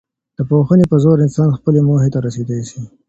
د پوهني په زور انسان خپلي موخې ته رسېدی سي.